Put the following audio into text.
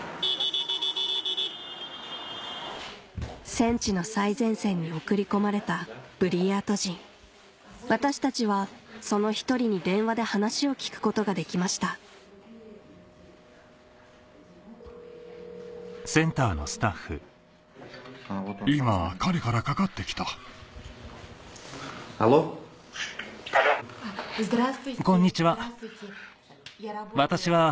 戦地の最前線に送り込まれたブリヤート人私たちはその１人に電話で話を聞くことができましたＨｅｌｌｏ？